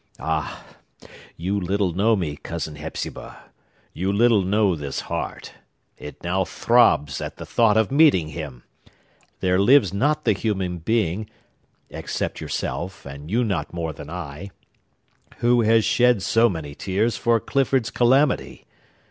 Ah, you little know me, Cousin Hepzibah! You little know this heart! It now throbs at the thought of meeting him! There lives not the human being (except yourself,—and you not more than I) who has shed so many tears for Clifford's calamity.